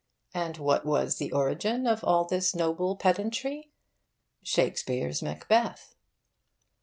And what was the origin of all this noble pedantry? Shakespeare's 'Macbeth.